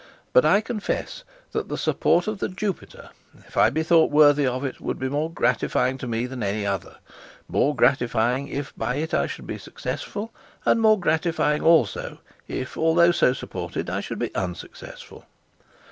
But I confess the support of the Jupiter, if I be thought worthy of it, would be more gratifying to me than any other; more gratifying if by it I should be successful; and more gratifying also, if, although, so supported, I should be unsuccessful.